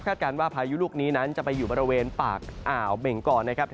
การว่าพายุลูกนี้นั้นจะไปอยู่บริเวณปากอ่าวเบงกรนะครับ